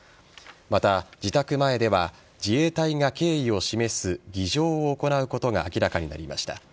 また、自宅前では自衛隊が敬意を示す儀仗を行うことが明らかになりました。